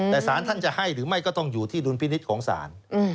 แต่สารท่านจะให้หรือไม่ก็ต้องอยู่ที่ดุลพินิษฐ์ของศาล